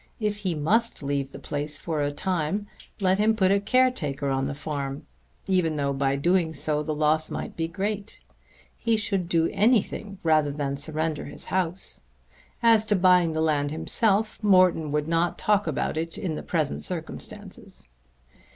If he must leave the place for a time let him put a caretaker on the farm, even though by doing so the loss might be great. He should do anything rather than surrender his house. As to buying the land himself, Morton would not talk about it in the present circumstances.